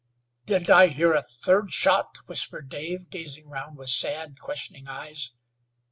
"Didn't I hear a third shot?" whispered Dave, gazing round with sad, questioning eyes.